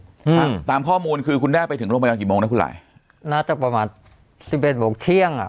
อืมตามข้อมูลคือคุณแม่ไปถึงโรงพยาบาลกี่โมงนะคุณหลายน่าจะประมาณสิบเอ็ดบอกเที่ยงอ่ะ